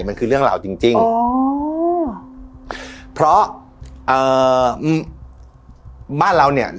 มันคือเรื่องเหล่าจริงจริงอ๋อเพราะเอ่อบ้านเราเนี่ย